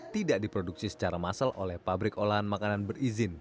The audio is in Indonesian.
tidak diproduksi secara massal oleh pabrik olahan makanan berizin